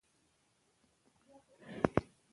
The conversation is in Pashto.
بامیان په پوره توګه د افغان ځوانانو د هیلو استازیتوب کوي.